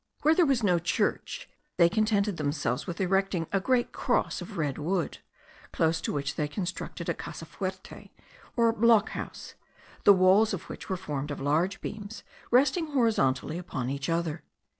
Where there was no church, they contented themselves with erecting a great cross of red wood, close to which they constructed a casa fuerte, or block house, the walls of which were formed of large beams resting horizontally upon each other.